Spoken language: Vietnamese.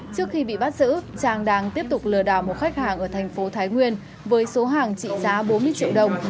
trước khi bị bắt giữ trang đang tiếp tục lừa đảo một khách hàng ở thành phố thái nguyên với số hàng trị giá bốn mươi triệu đồng